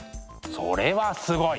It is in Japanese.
それはすごい！